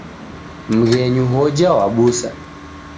Mghenyu hoja wabusa.